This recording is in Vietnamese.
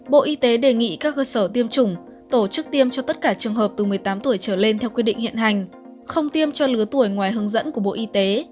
bộ y tế đề nghị các cơ sở tiêm chủng tổ chức tiêm cho tất cả trường hợp từ một mươi tám tuổi trở lên theo quy định hiện hành không tiêm cho lứa tuổi ngoài hướng dẫn của bộ y tế